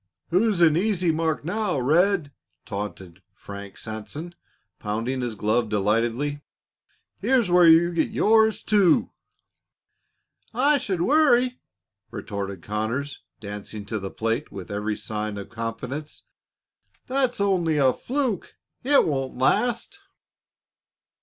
"Who's an easy mark now, Red?" taunted Frank Sanson, pounding his glove delightedly. "Here's where you get yours, too." "I should worry!" retorted Conners, dancing to the plate with every sign of confidence. "That was only a fluke; it won't last."